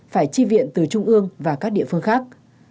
phải chi viện từ trung ương và các địa phương khác